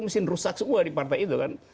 mesin rusak semua di partai itu kan